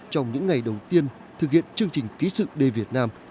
trong những ngày đầu tiên thực hiện chương trình ký sự đề việt nam